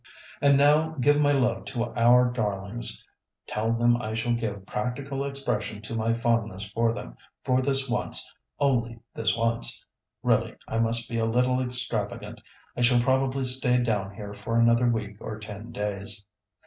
"And now give my love to our darlings. Tell them I shall give practical expression to my fondness for them for this once, only this once; really, I must be a little extravagant. I shall probably stay down here for another week or ten days.